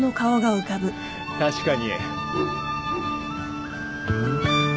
確かに。